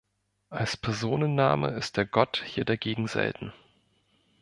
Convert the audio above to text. Als Personenname ist der Gott hier dagegen selten.